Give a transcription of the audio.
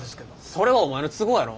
それはお前の都合やろ。